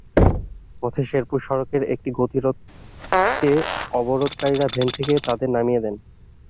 পথে শেরপুর সড়কের একটি গতিরোধকে অবরোধকারীরা ভ্যান থেকে তাদের নামিয়ে দেন।